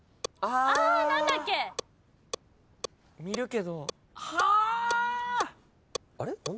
見るけど。